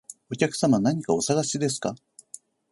お客様、何かお探しですか？